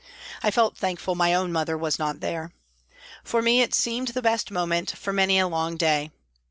I felt thankful that my mother was not there. For me, it seemed the best moment for many a long day.